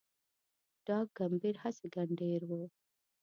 ډاګ کمبېر هسي ګنډېر و